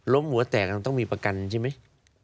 ล้มหัวแตกต้องมีประกันใช่ไหม